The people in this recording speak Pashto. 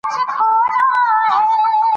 افغانستان کې د وادي د پرمختګ هڅې روانې دي.